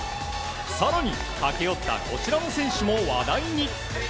さらに駆け寄ったこちらの選手も話題に。